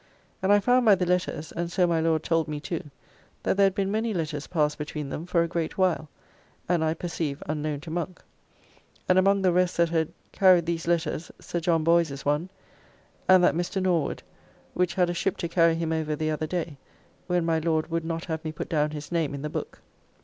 And I found by the letters, and so my Lord told me too, that there had been many letters passed between them for a great while, and I perceive unknown to Monk. And among the rest that had carried these letters Sir John Boys is one, and that Mr. Norwood, which had a ship to carry him over the other day, when my Lord would not have me put down his name in the book.